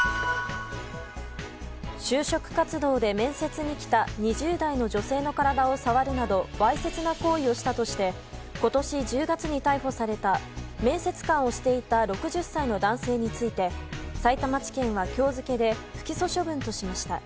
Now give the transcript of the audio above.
就職活動で面接に来た２０代の女性の体を触るなどわいせつな行為をしたとして今年１０月に逮捕された面接官をしていた６０歳の男性についてさいたま地検は今日付で不起訴処分としました。